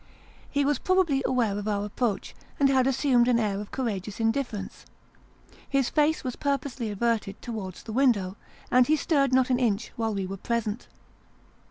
He was probably aware of our approach, and had assumed an air of courageous indifference ; his face was purposely averted towards the window, and he stirred not an inch while we were present.